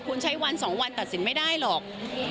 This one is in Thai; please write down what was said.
คุณใช้วัน๒วันตัดสินไม่ได้หรอก